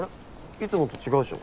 いつもと違うでしょ？